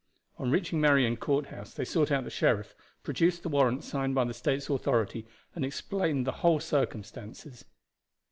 On reaching Marion Courthouse they sought out the sheriff, produced the warrant signed by the States' authority, and explained the whole circumstances.